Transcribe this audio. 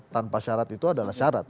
tanpa syarat itu adalah syarat